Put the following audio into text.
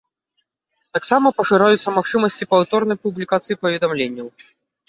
Таксама пашыраюцца магчымасці паўторнай публікацыі паведамленняў.